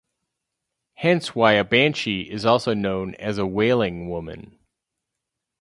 Hence why a banshee is also known as a wailing woman.